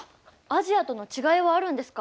アジアとの違いはあるんですか？